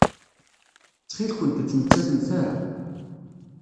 Ttxil-kent ur ttmettatemt ara.